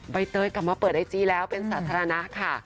ใบเตยกลับมาเปิดไอจีแล้วเป็นสาธารณะค่ะ